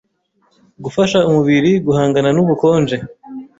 gufasha umubiri guhangana n’ubukonje